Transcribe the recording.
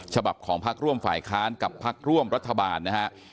ฉบับของพักร่วมฝ่ายค้านกับพักร่วมรัฐบาลนะฮะ